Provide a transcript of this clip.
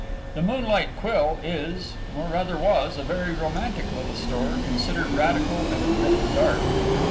The Moonlight Quill is, or rather was, a very romantic little store, considered radical and admitted dark.